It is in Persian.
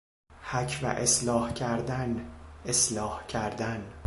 حک و اصلاح کردن، اصلاح کردن